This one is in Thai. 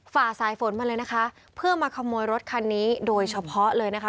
ฝ่าสายฝนมาเลยนะคะเพื่อมาขโมยรถคันนี้โดยเฉพาะเลยนะคะ